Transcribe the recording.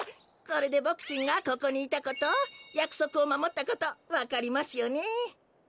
これでボクちんがここにいたことやくそくをまもったことわかりますよね。